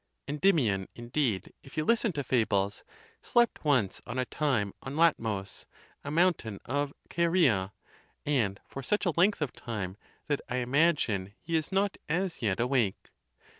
Endymion, indeed, if you listen to fables, slept once on a time on Latmus, a moun tain of Caria, and for such a length of time that I imagine he is not as yet awake.